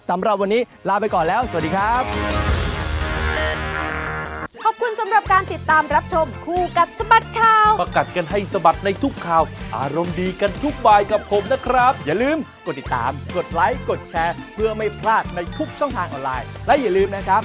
สำหรับวันนี้ลาไปก่อนแล้วสวัสดีครับ